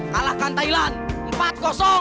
kalahkan thailand empat